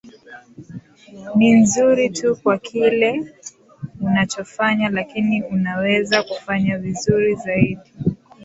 ni nzuri tu kwa kile unachofanya lakini unaweza kufanya vizuri zaidi